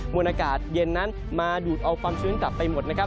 วนอากาศเย็นนั้นมาดูดเอาความชื้นกลับไปหมดนะครับ